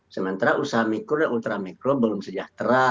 sementara usaha mikro dan ultramikro belum sejahtera